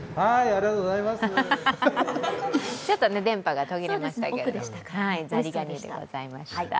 ちょっと電波が途切れましたけど、ザリガニでございました。